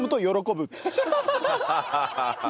ハハハハ！